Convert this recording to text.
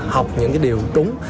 học những cái điều đúng